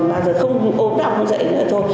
bao giờ không ốm nào không dạy nữa thôi